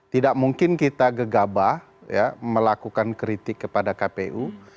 tidak mungkin kita gegabah melakukan kritik kepada kpu